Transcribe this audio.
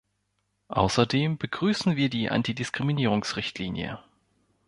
Außerdem begrüßen wir die Antidiskriminierungsrichtlinie.